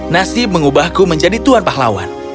nasib mengubahku menjadi tuan pahlawan